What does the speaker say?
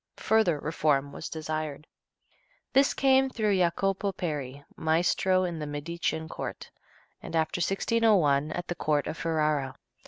Further reform was desired. This came through Jacopo Peri, maestro at the Medician court, and after 1601 at the court of Ferrara.